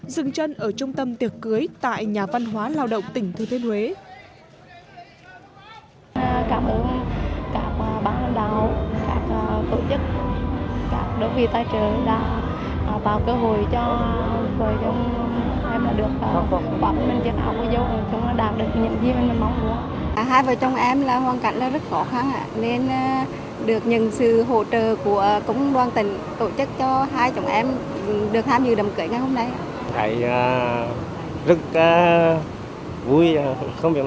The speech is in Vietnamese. dừng chân ở trung tâm tiệc cưới tại nhà văn hóa lao động tỉnh thừa thiên huế